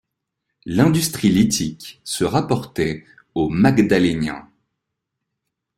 L'industrie lithique se rapportait au Magdalénien.